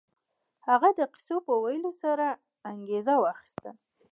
هغه د کيسو په ويلو سره انګېزه واخيسته.